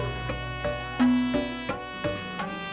mak kesian nama lo